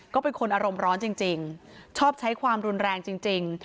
ก็เป็นคนอารมณ์ร้อนจริงชอบใช้ความรุนแรงจริง